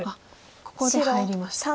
ここで入りました。